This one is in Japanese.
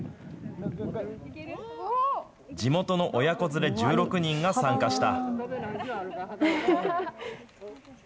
地元の親子連れ１６人が参加した。